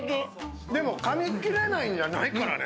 でもかみきれないんじゃないからね。